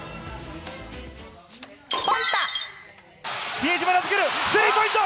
比江島に預ける、スリーポイント。